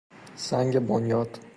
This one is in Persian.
سنگ بنیاد